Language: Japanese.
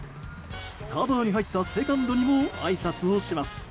カバーに入ったセカンドにもあいさつをします。